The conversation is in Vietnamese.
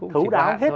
thấu đáo hết